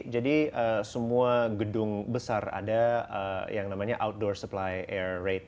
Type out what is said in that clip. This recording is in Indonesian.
jadi semua gedung besar ada yang namanya outdoor supply air rate